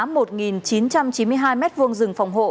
một chín trăm chín mươi hai m hai rừng phòng hộ